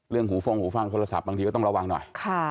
เรื่องหูฟ่องหูฟ่างโทรศัพท์บางทีก็ต้องระวังหน่อย